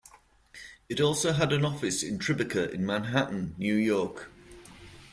It also had an office in Tribeca in Manhattan, New York.